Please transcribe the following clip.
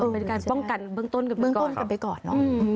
เป็นการการเบื้องต้นไปก่อน